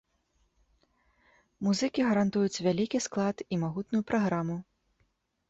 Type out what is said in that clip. Музыкі гарантуюць вялікі склад і магутную праграму.